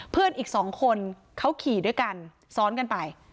เพื่อนอีกสองคนเขาขี่ด้วยกันซ้อนกันไป